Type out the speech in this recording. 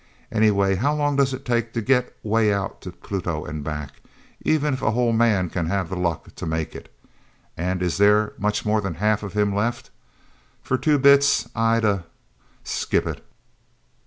Anyway, how long does it take to get way out to Pluto and back, even if a whole man can have the luck to make it. And is there much more than half of him left...? For two bits I'd ah skip it!"